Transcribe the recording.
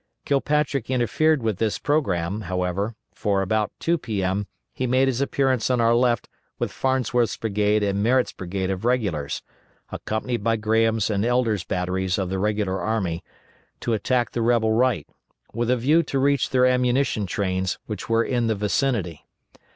Kilpatrick interfered with this programme, however, for about 2 P.M. he made his appearance on our left with Farnsworth's brigade and Merritt's brigade of regulars, accompanied by Graham's and Elder's batteries of the regular army, to attack the rebel right, with a view to reach their ammunition trains, which were in the vicinity.